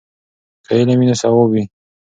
که علم وي نو ثواب وي.